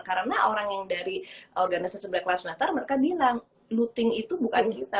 karena orang yang dari organisasi black lives matter mereka bilang looting itu bukan kita